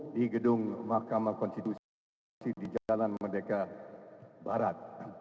di gedung mahkamah konstitusi di jalan merdeka barat